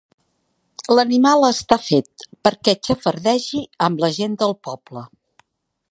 L'animal està fet perquè xafardegi amb la gent del poble.